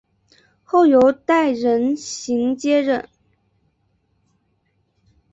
后由戴仁行接任。